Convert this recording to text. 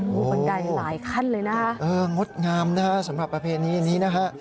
บันไดหลายขั้นเลยนะฮะเอองดงามนะฮะสำหรับประเพณีนี้นะฮะ